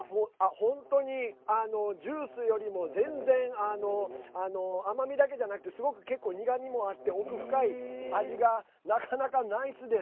本当にジュースよりも、全然甘みだけじゃなくてすごく結構苦みもあって奥深い味が、なかなかナイスです。